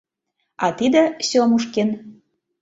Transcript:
А тиде — Сёмушкин.